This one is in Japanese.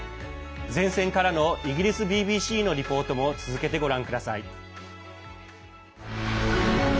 前線からのイギリスＢＢＣのリポートも続けてご覧ください。